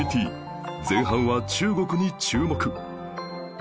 前半は中国に注目